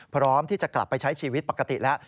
พร้อมที่จะกลับไปใช้ชีวิตปกติแล้ว